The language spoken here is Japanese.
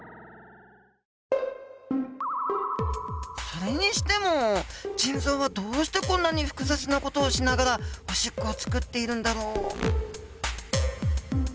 それにしても腎臓はどうしてこんなに複雑な事をしながらおしっこをつくっているんだろう？